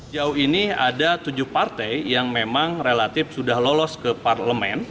jauh ini ada tujuh partai yang memang relatif sudah lolos ke parlemen